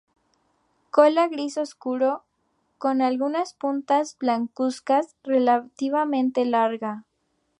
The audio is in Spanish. Cola gris oscuro con algunas puntas blancuzcas, relativamente larga.